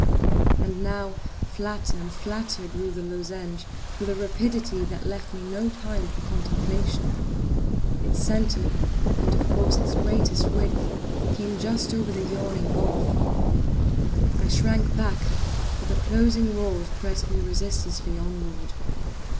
And now, flatter and flatter grew the lozenge, with a rapidity that left me no time for contemplation. Its centre, and of course, its greatest width, came just over the yawning gulf. I shrank back—but the closing walls pressed me resistlessly onward.